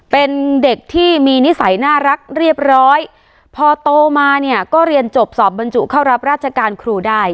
เป็นเด็กที่มีนิสัยน่ารักเรียบร้อยพอโตมาเนี่ยก็เรียนจบสอบบรรจุเข้ารับราชการครูได้